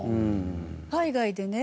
海外でね